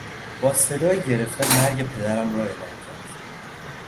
با صدایی گرفته مرگ پدرم را اعلام کرد.